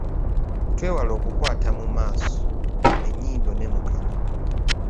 Twewale okukwata mu maaso, ennyindo ne mu kamwa.